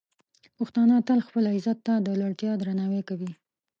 پښتانه تل خپل عزت ته د لوړتیا درناوی کوي.